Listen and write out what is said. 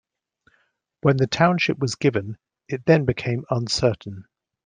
When the township was given, it then became "Uncertain".